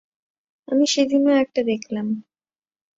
আমি সেদিনও একটা দেখলাম।